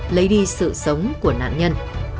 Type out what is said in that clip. lấy đi sự sống của nạn nhân